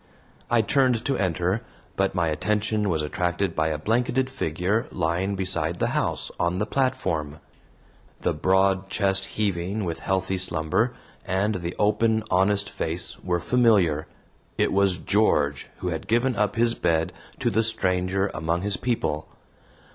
I turned to enter, but my attention was attracted by a blanketed figure lying beside the house, on the platform. The broad chest heaving with healthy slumber, and the open, honest face were familiar. It was George, who had given up his bed to the stranger among his people.